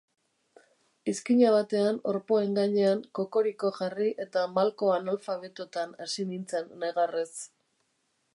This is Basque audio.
Izkina batean, orpoen gainean kokoriko jarri eta malko analfabetotan hasi nintzen negarrez.